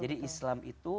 jadi islam itu